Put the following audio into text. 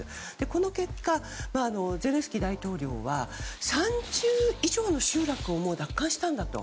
この結果、ゼレンスキー大統領は３０以上の集落を奪還したんだと。